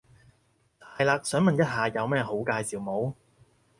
係嘞，想問一下有咩好介紹冇？